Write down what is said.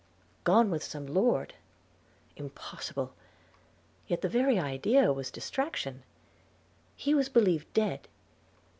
– 'Gone with some lord!' – Impossible – Yet the very idea was distraction. He was believed dead.